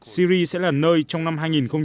syri sẽ là nơi trong năm hai nghìn hai mươi